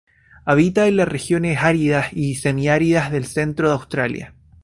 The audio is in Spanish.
Habita en las regiones áridas y semiáridas del centro de Australia.